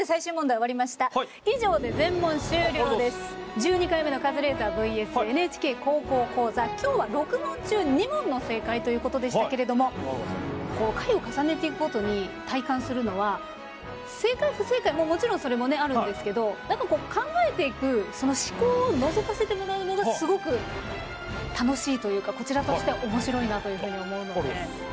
１２回目の「カズレーザーｖｓ．ＮＨＫ高校講座」今日はこう回を重ねていくごとに体感するのは正解不正解ももちろんそれもねあるんですけど何かこう考えていくその思考をのぞかせてもらうのがすごく楽しいというかこちらとしては面白いなというふうに思うので。